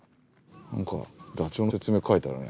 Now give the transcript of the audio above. なんかダチョウの説明書いてあるね。